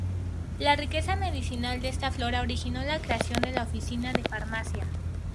La riqueza medicinal de esta flora originó la creación de la oficina de farmacia.